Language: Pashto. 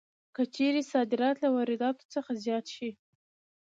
که چېرې صادرات له وارداتو څخه زیات شي